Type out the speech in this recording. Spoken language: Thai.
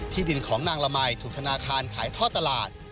ดินของนางละมัยถูกธนาคารขายท่อตลาด